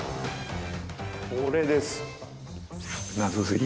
これです。